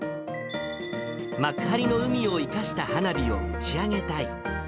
幕張の海を生かした花火を打ち上げたい。